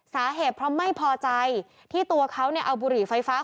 สาเหตุเพราะไม่พอใจที่ตัวเขาเนี่ยเอาบุหรี่ไฟฟ้า